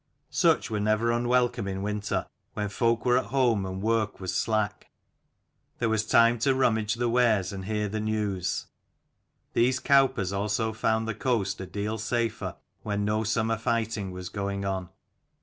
Such were never unwelcome in winter, when folk were at home and work was slack ; there was time to rummage the wares and hear the news. These cowpers also found the coast a deal safer when no summer fighting was going on.